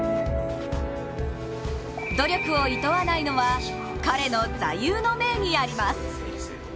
努力をいとわないのは彼の座右の銘にあります。